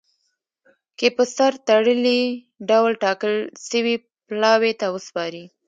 کي په سر تړلي ډول ټاکل سوي پلاوي ته وسپاري.